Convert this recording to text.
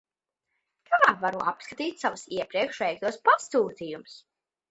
Kā varu apskatīt savus iepriekš veiktos pasūtījumus?